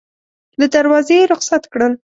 له دروازې یې رخصت کړل.